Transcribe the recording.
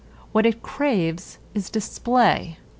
What it craves is display.